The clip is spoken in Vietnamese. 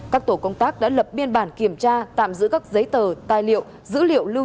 các tổ công tác đã lập biên bản kiểm tra tạm giữ các giấy tờ tài liệu